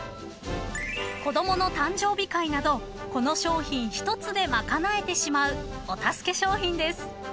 ［子供の誕生日会などこの商品１つで賄えてしまうお助け商品です］